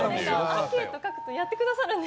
アンケート書くと、やってくださるんで。